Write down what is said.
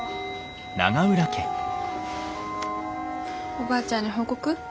おばあちゃんに報告？